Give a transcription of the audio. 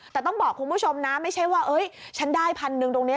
แต่ต้องบอกคุณผู้ชมนะไม่ใช่ว่าฉันได้พันหนึ่งตรงนี้